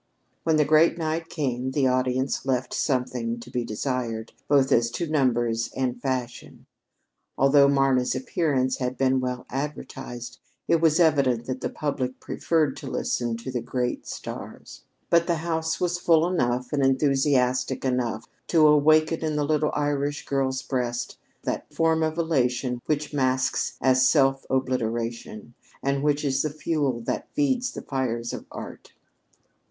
When the great night came, the audience left something to be desired, both as to numbers and fashion. Although Marna's appearance had been well advertised, it was evident that the public preferred to listen to the great stars. But the house was full enough and enthusiastic enough to awaken in the little Irish girl's breast that form of elation which masks as self obliteration, and which is the fuel that feeds the fires of art.